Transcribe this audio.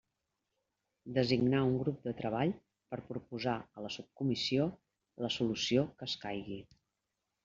Designar un Grup de Treball per a proposar a la Subcomissió la solució que escaigui.